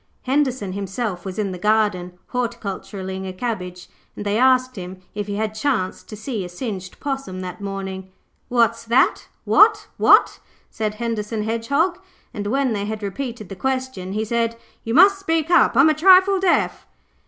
Henderson himself was in the garden, horticulturing a cabbage, and they asked him if he had chanced to see a singed possum that morning. 'What's that? What, what?' said Henderson Hedgehog, and when they had repeated the question, he said, 'You must speak up, I'm a trifle deaf.'